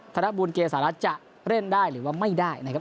ธนบุญเกษารัฐจะเล่นได้หรือว่าไม่ได้นะครับ